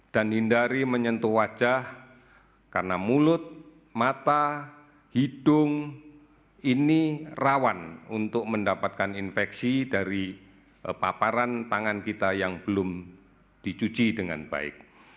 dan hindari menyentuh wajah karena mulut mata hidung ini rawan untuk mendapatkan infeksi dari paparan tangan kita yang belum dicuci dengan baik